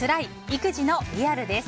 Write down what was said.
育児のリアル」です。